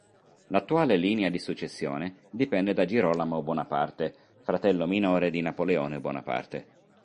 L'attuale linea di successione discende da Girolamo Bonaparte, fratello minore di Napoleone Bonaparte.